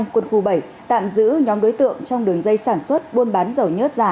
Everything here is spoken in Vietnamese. quân khu bảy tạm giữ nhóm đối tượng trong đường dây sản xuất buôn bán dầu nhớt giả